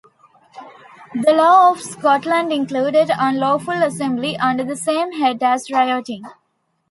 The law of Scotland included unlawful assembly under the same head as rioting.